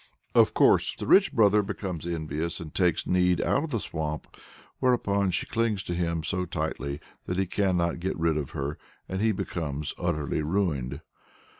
Of course the rich brother becomes envious and takes Need out of the swamp, whereupon she clings to him so tightly that he cannot get rid of her, and he becomes utterly ruined.